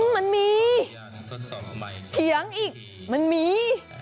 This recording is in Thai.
มันมีเถียงอีกมันมี